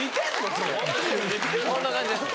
それ・こんな感じです。